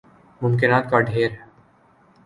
ممکنات کا ڈھیر ہے۔